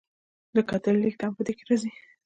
د کتلې لیږد هم په دې کې راځي.